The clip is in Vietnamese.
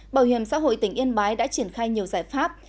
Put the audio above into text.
bảo hiểm xã hội tỉnh yên bái đã triển khai nhiều giải pháp